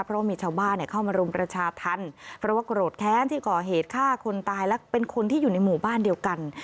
เพราะว่ามีชาวบ้านเข้ามารุมประชาธรรมเพราะว่าโกรธแค้นที่ก่อเหตุฆ่าคนตายและเป็นคนที่อยู่ในหมู่บ้านเดียวกัน